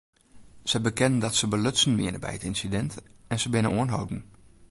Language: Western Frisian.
Sy bekenden dat se belutsen wiene by it ynsidint en se binne oanholden.